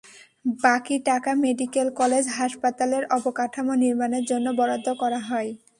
বাকি টাকা medical college হাসপাতালের অবকাঠামো নির্মাণের জন্য বরাদ্দ করা হয়।